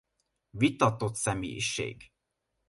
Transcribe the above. Vitatott személyiség.